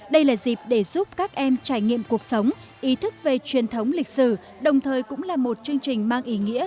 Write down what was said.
đây là dịp để giúp các em trải nghiệm cuộc sống ý thức về truyền thống lịch sử đồng thời cũng là một chương trình mang ý nghĩa